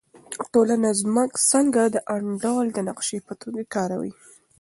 ټولنه څنګه د انډول د نقشې په توګه کاروي؟